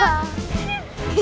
nah kita mulai